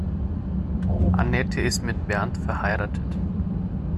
Anette ist mit Bernd verheiratet.